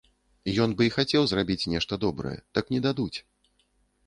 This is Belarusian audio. Ён бы і хацеў зрабіць нешта добрае, так не дадуць.